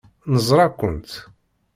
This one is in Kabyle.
Neẓra-kent.